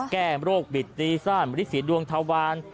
แก้โรคบิตรีซ่านลิศีดวงทะวาน